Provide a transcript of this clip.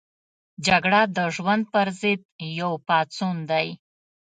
جګړه د ژوند پر ضد یو پاڅون دی